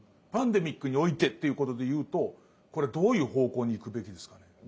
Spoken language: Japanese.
パンデミックにおいてっていうことで言うとこれどういう方向に行くべきですかね。